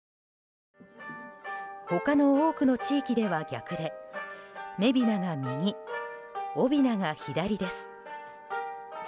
他の多くの地域では逆で女びなが右、男びなが左です。